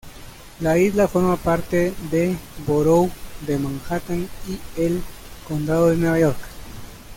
La isla forma parte de Borough de Manhattan y el condado de Nueva York.